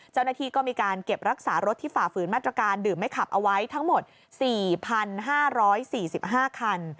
เจ้าหน้าที่ก็มีการเก็บรักษารถที่ฝ่าฝืนมาตรการดื่มไม่ขับเอาไว้ทั้งหมด๔๕๔๕คัน